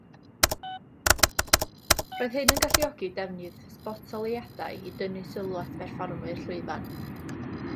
Roedd hyn yn galluogi defnyddio sbotoleuadau i dynnu sylw at berfformwyr llwyfan.